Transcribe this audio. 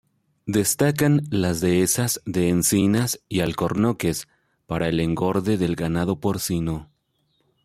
Destacan las dehesas de encinas y alcornoques para el engorde del ganado porcino.